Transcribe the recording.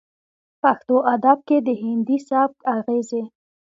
پښتو ادب کې د هندي سبک اغېزې